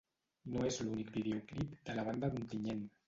No és l’únic videoclip de la banda d’Ontinyent.